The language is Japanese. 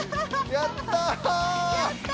やったぁ！